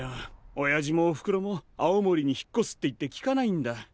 おやじもおふくろも青森に引っ越すって言ってきかないんだ。